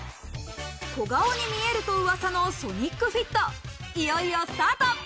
小顔に見えるとうわさのソニックフィット、いよいよスタート。